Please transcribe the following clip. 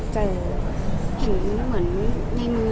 เจอ